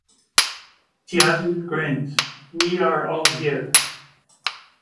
Tjaden grinned: “We are all here.”